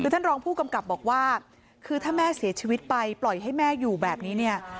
คือท่านรองผู้กำกับบอกว่าคือถ้าแม่เสียชีวิตไปปล่อยให้แม่อยู่แบบนี้เนี่ย